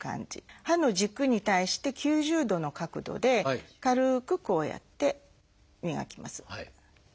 歯の軸に対して９０度の角度で軽くこうやって磨きます。